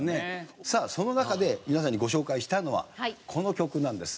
さあその中で皆さんにご紹介したいのはこの曲なんです。